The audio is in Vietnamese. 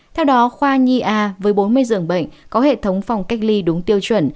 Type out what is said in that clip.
theo đó khoa nhi a với bốn mươi giường bệnh có hệ thống phòng cách ly đúng tiêu chuẩn